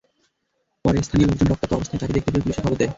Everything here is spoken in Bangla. পরে স্থানীয় লোকজন রক্তাক্ত অবস্থায় তাঁকে দেখতে পেয়ে পুলিশে খবর দেয়।